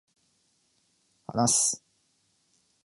話す